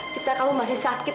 vita kamu masih sakit